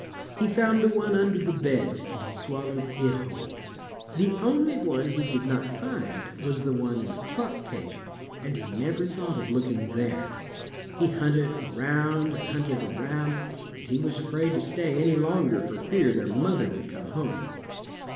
He found the one under the bed and he swallowed it whole. The only one he did not find was the one in the clock case, and he never thought of looking there. He hunted around and hunted around, and he was afraid to stay any longer for fear their mother would come home.